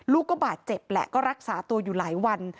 บาดเจ็บแหละก็รักษาตัวอยู่หลายวัน